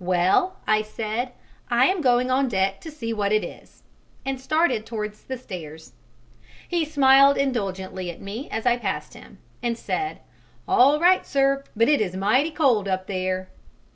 "Well," I said, "I am going on deck to see what it is," and started towards the stairs. He smiled indulgently at me as I passed him, and said, "All right, sir, but it is mighty cold up there."